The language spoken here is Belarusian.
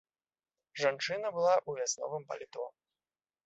Жанчына была ў вясновым паліто.